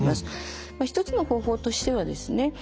一つの方法としてはですね